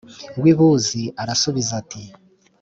w i buzi arasubiza ati